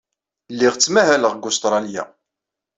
Lliɣ ttmahaleɣ deg Ustṛalya.